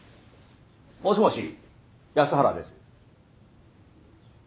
もしもし安原です。